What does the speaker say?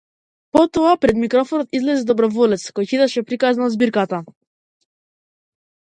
Потоа пред микрофонот излезе доброволец кој читаше приказна од збирката.